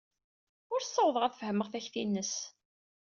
Ur ssawḍeɣ ad fehmeɣ takti-nnes.